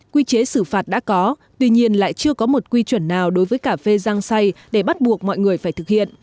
quy chế xử phạt đã có tuy nhiên lại chưa có một quy chuẩn nào đối với cà phê giang say để bắt buộc mọi người phải thực hiện